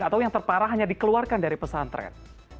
atau yang terparah hanya dikeluarkan dari pesantren